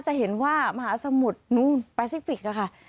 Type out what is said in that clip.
จะเห็นว่ามหาสมุทรนู้นแปซิฟิกค่ะ